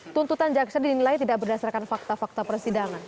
tuntutan jaksa dinilai tidak berdasarkan fakta fakta persidangan